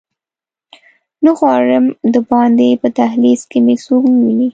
نه غواړم دباندې په دهلېز کې مې څوک وویني.